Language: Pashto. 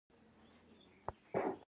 د کابل په استالف کې څه شی شته؟